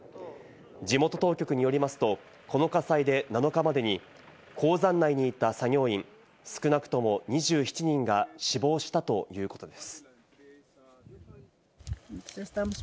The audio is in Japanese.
地元当局によりますと、この火災で７日までに鉱山内にいた作業員、少なくとも２７人が死亡したということです。